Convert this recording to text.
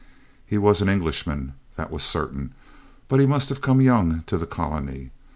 He was an Englishman that was certain but he must have come young to the colony.